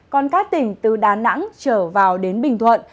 còn các tỉnh từ đà nẵng trở vào đến bình thuận